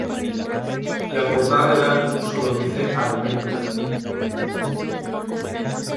La portada del álbum solo dice "Almendra".